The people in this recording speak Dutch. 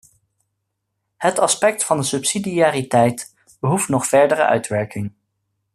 Het aspect van de subsidiariteit behoeft nog verdere uitwerking.